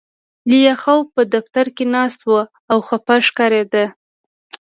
لیاخوف په دفتر کې ناست و او خپه ښکارېده